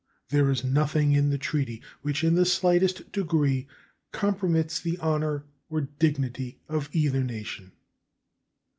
There is nothing in the treaty which in the slightest degree compromits the honor or dignity of either nation.